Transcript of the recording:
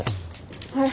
はい。